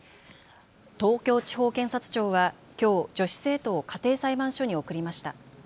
東京地方検察庁はきょう女子生徒を家庭裁判所に送りました。